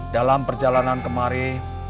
dalam perjalanan kemari